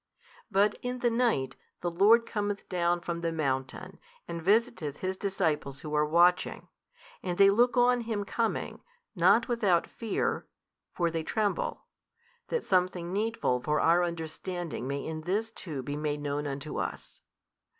But in the night the Lord cometh down from the mountain and visiteth His disciples who are watching, and they look on Him coming, not without fear (for they tremble) that something needful for our understanding may in this too be made known unto us.